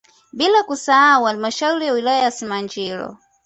Bila kusahau halmashauri ya wilaya ya Simanjiro